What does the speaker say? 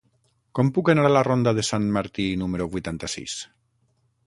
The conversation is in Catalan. Com puc anar a la ronda de Sant Martí número vuitanta-sis?